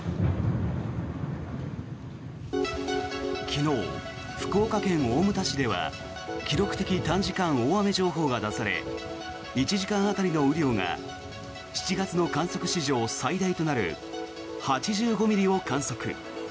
昨日、福岡県大牟田市では記録的短時間大雨情報が出され１時間当たりの雨量が７月の観測史上最大となる８５ミリを観測。